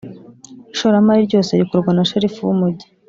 Ishoramari ryose rikorwa na sherifu w’umujyi